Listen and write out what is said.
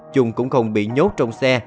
chúng cũng không bị nhốt trong xe